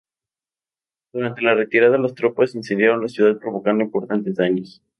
Durante la retirada, las tropas incendiaron la ciudad, provocando importantes daños.